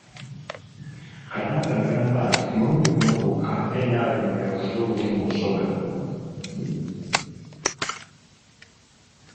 Kadaga agamba nti ku mulundi guno gwokka NRM lwe yakoze obubi mu Busoga.